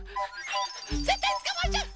ぜったいつかまえちゃう！